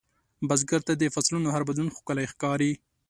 بزګر ته د فصلونـو هر بدلون ښکلی ښکاري